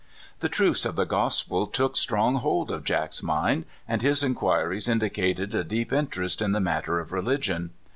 The truths of the gospel took strong hold of Jack's mind, and his inquiries indicated a deep in terest in the matter of religion.